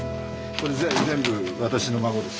これ全部私の孫です。